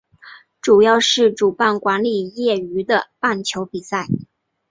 主要是主办管理业余的棒球比赛。